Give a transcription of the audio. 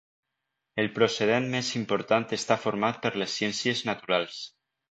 El precedent més important està format per les ciències naturals.